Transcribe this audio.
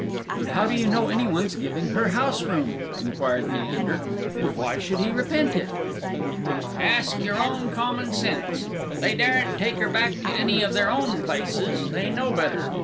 "How do you know any one's giving her house room?" inquired Leander; "and why should he repent it?" "Ask your own common sense. They daren't take her back to any of their own places; they know better.